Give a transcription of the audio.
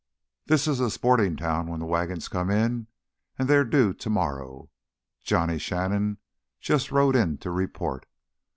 "This is a sporting town when the wagons come in, and they're due tomorrow. Johnny Shannon just rode in to report.